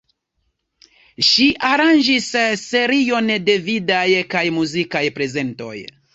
Ŝi aranĝis serion de vidaj kaj muzikaj prezentoj.